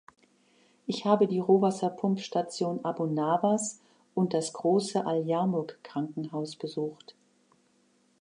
Ich habe die Rohwasserpumpstation Abu Nawas und das große Al-Yarmouk-Krankenhaus besucht.